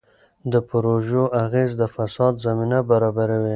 د پروژو اغېز د فساد زمینه برابروي.